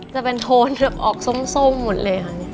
จะเป็นโทนออกส้มหมดเลยค่ะ